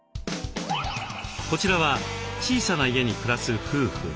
こちらは小さな家に暮らす夫婦。